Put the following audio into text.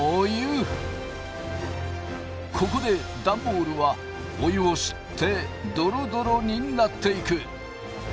ここでダンボールはお湯を吸ってドロドロになっていく。